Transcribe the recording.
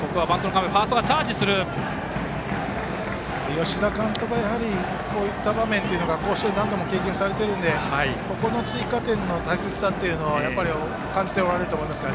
吉田監督はこういった場面を甲子園、何度も経験されているのでこの追加点の大切さは感じておられると思います。